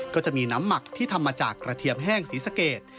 ก็จะมีน้ำหมักที่ทำมาจากกระเทียมแห้งศรีสะเกด